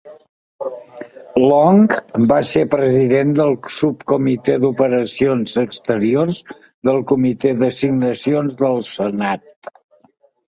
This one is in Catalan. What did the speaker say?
Long va ser president del Subcomitè d'Operacions Exteriors del Comitè d'Assignacions del Senat.